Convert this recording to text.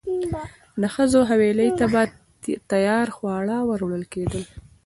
د ښځو حویلۍ ته به تیار خواړه وروړل کېدل.